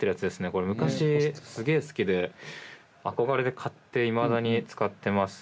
これ昔すげえ好きで憧れで買っていまだに使ってます。